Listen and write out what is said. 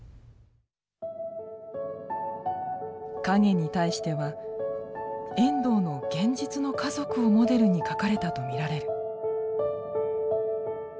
「影に対して」は遠藤の現実の家族をモデルに書かれたとみられる。